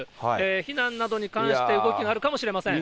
避難などに関して、動きがあるかもしれません。